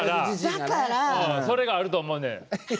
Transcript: それがあると思うねん。